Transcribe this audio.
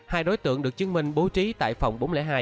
hai đối tượng được chứng minh bố trí tại phòng bốn trăm linh hai